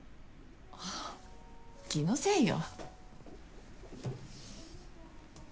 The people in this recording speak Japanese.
あ気のせいよ。